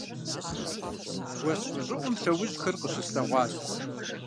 Уэс гущӀыӀум лъэужьхэр къыщыслъэгъуащ.